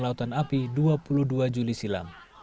lautan api dua puluh dua juli silam